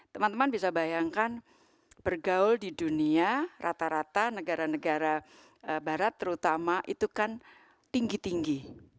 teman teman bisa bayangkan bergaul di dunia rata rata negara negara barat terutama itu kan tinggi tinggi